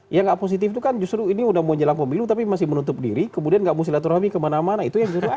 yang nggak positif itu kan justru ini udah menjelang pemilu tapi masih menutup diri kemudian nggak mau silaturahmi kemana mana itu yang justru